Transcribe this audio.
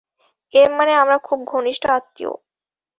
এরমানে আমরা খুব ঘনিষ্ঠ আত্মীয়!